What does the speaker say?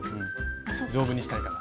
丈夫にしたいから。